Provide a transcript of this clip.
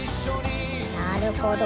なるほど。